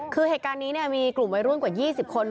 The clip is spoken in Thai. คือเหตุการณ์นี้มีกลุ่มวัยรุ่นกว่า๒๐คน